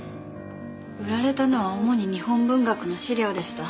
売られたのは主に日本文学の資料でした。